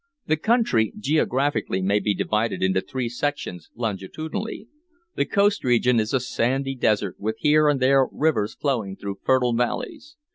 The country, geographically, may be divided into three sections longitudinally. The coast region is a sandy desert, with here and there rivers flowing through fertile valleys.